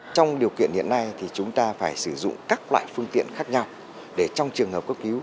trong điều kiện hiện nay thì chúng ta phải sử dụng các loại phương tiện khác nhau để trong trường hợp cấp cứu